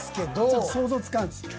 ちょっと想像つかんですね。